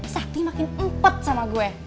sakti makin empot sama gue